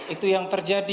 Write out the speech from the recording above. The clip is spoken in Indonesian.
itu yang terjadi